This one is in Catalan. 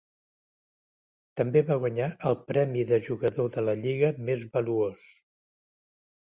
També va guanyar el premi de jugador de la lliga més valuós.